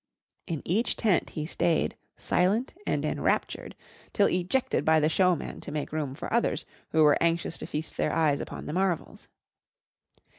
In each tent he stayed, silent and enraptured, till ejected by the showman to make room for others who were anxious to feast their eyes upon the marvels.